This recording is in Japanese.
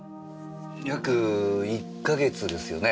約１か月ですよね？